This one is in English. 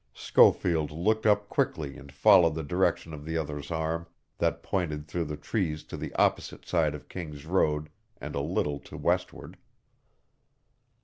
Schofield looked up quickly and followed the direction of the other's arm that pointed through the trees to the opposite side of King's Road and a little to westward.